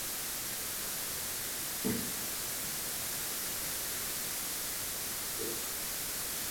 Pacha yupayqa, uraskunata, minutuskunata yupan hinallataq uratapas rikuchin.